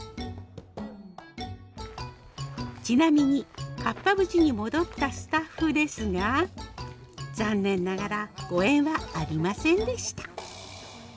ちなみにカッパ淵に戻ったスタッフですが残念ながらご縁はありませんでした。